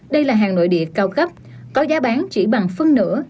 đây là hàng nội địa cao cấp có giá bán chỉ bằng phân nữa